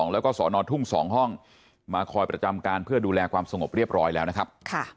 แล้วก็สอนอทุ่ง๒ห้องมาคอยประจำการเพื่อดูแลความสงบเรียบร้อยแล้วนะครับ